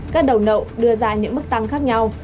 các đầu nậu đưa ra những mức tăng khác nhau